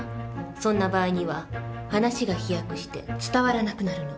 そんな場合には話が飛躍して伝わらなくなるの。